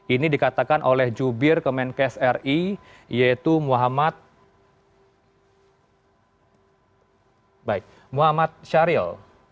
ini dikatakan oleh jubir ke menkes ri yaitu muhammad syaril